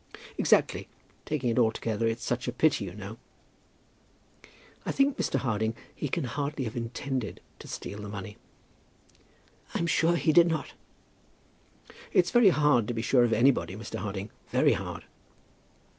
"Exactly; taking it all together it's such a pity, you know. I think, Mr. Harding, he can hardly have intended to steal the money." "I'm sure he did not." "It's very hard to be sure of anybody, Mr. Harding; very hard."